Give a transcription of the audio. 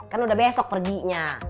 kan udah besok perginya